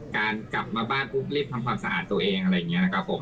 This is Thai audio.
กลับมาบ้านปุ๊บรีบทำความสะอาดตัวเองอะไรอย่างนี้นะครับผม